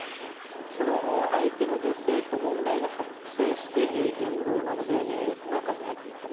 その相手の女性と問題が発生して言動などで不仲になっていった。